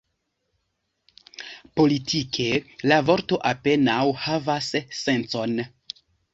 Politike, la vorto apenaŭ havas sencon.